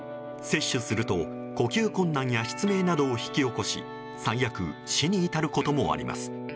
摂取すると呼吸困難や失明などを引き起こし最悪、死に至ることもあります。